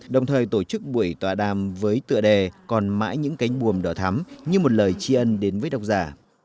đồng thời tổ chức buổi tọa đàm với tựa đề còn mãi những cánh buồm đỏ thắm như một lời tri ân đến với độc giả